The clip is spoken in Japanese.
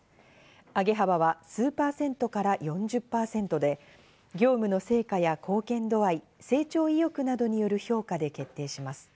上げ幅は数％から４０％で業務の成果や貢献度合い、成長意欲などによる評価で決定します。